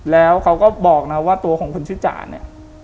แล้วเขาก็บอกนะว่าตัวของคนชื่อจ่าเนี่ย